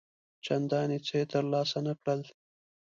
چنداني څه یې تر لاسه نه کړل.